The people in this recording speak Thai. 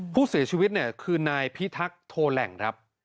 ผู้เสียชีวิตเนี่ยคือนายพิทักษ์โทแหล่งครับ